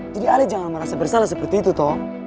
jadi ale jangan merasa bersalah seperti itu toh